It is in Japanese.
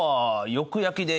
よく焼きで。